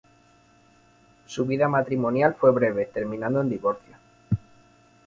Su vida matrimonial fue breve, terminando en divorcio.